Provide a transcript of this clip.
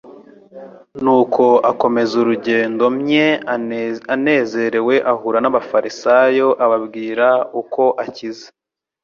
Nuko akomeza urugendo mye anezerewe ahura n'abafarisayo ababwira uko akize;